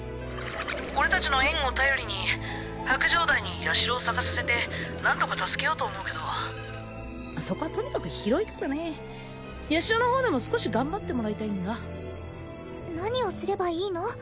俺達の縁を頼りに白杖代にヤシロを捜させて何とか助けようと思うけどそこはとにかく広いからねヤシロの方でも少し頑張ってもらいたいんだ何をすればいいの？